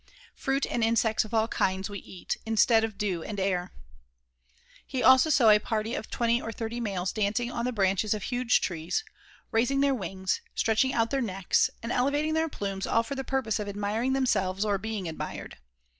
Fruit and insects of all kinds we eat instead of dew and air. He also saw a party of twenty or thirty males dancing on the branches of huge trees, raising their wings, stretching out their necks and elevating their plumes all for the purpose of admiring themselves or being admired.